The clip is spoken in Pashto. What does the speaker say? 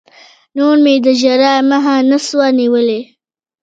نور مې د ژړا مخه نه سوه نيولى.